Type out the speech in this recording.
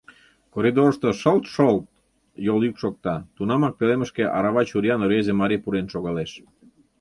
Коридорышто шолт-шолт йол йӱк шокта, тунамак пӧлемышке арава чуриян рвезе марий пурен шогалеш.